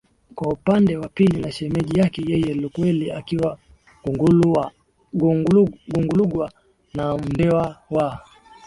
kwa upande wa pili ni shemeji yake yeye Lukwele akiwa Gungulugwa na Mndewa wa